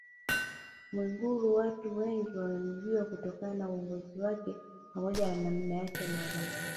Mwigulu watu wengi wamemjua kutokana na uongozi wake pamoja na namna yake ya Mavazi